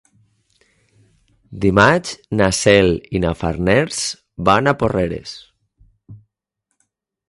Dimarts na Cel i na Farners van a Porreres.